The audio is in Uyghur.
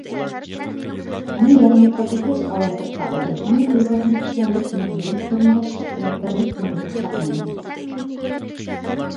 ھەممە يەرنى تەبرىكلەش ئاۋازلىرى قاپلىدى !ھەممە كۆزلەردىن خۇشاللىق نۇرلىرى، قېرىنداشلىق ۋە بىرلىك نۇرلىرى چاقنىدى !